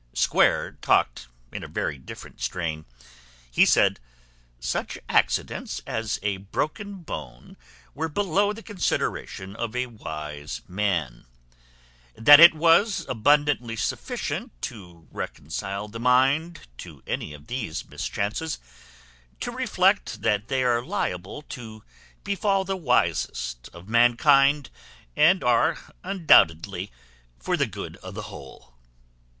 Square talked in a very different strain; he said, "Such accidents as a broken bone were below the consideration of a wise man. That it was abundantly sufficient to reconcile the mind to any of these mischances, to reflect that they are liable to befal the wisest of mankind, and are undoubtedly for the good of the whole."